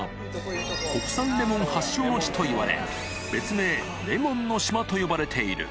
国産レモン発祥の地といわれ、別名レモンの島と呼ばれている。